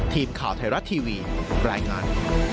ทีมข่าวไทยรัตน์ทีวีแปลงงาน